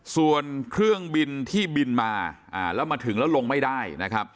ส่วนเครื่องบินที่บินมาแล้วมาถึงแล้วลงไม่ได้นะครับ